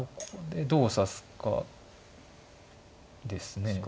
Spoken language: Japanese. ここでどう指すかですね。